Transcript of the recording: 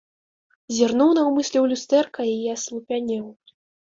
Зірнуў наўмысля ў люстэрка і аслупянеў.